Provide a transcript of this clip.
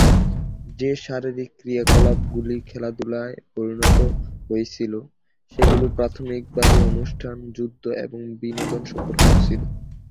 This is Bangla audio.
যে শারীরিক ক্রিয়াকলাপগুলি ক্রমশ খেলাধুলায় পরিণত হয়েছিল, সেগুলি প্রাথমিকভাবে অনুষ্ঠান, যুদ্ধ এবং বিনোদন সম্পর্কিত ছিল।